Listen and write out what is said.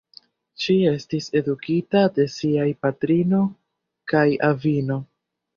Ŝi estis edukita de siaj patrino kaj avino.